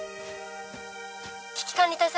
危機管理対策